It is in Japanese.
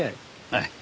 はい。